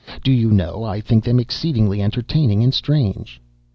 Do you know I think them exceedingly entertaining and strange?"